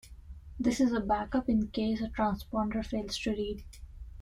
This is a backup in case a transponder fails to read.